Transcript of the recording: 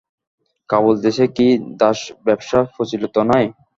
কাবুলদেশে কি দাসব্যবসা প্রচলিত নাই।